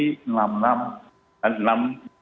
tetap harus berupaya atau dengan strategi